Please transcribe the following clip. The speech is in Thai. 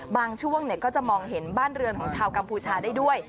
ช่วงก็จะมองเห็นบ้านเรือนของชาวกัมพูชาได้ด้วย